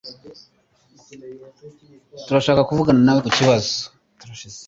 Turashaka kuvugana nawe kukibazo.